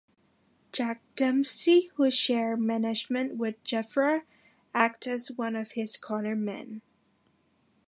Jack Dempsey, who shared management with Jeffra, acted as one of his corner men.